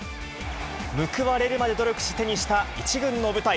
報われるまで努力して手にした１軍の舞台。